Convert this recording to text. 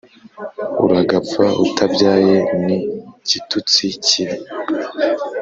uragapfa utabyaye ni gitutsi kibi